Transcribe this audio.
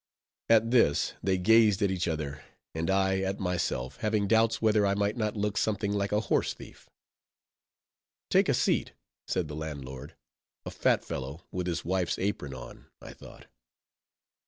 At this, they gazed at each other; and I, at myself; having doubts whether I might not look something like a horse thief. "Take a seat," said the landlord, a fat fellow, with his wife's apron on, I thought.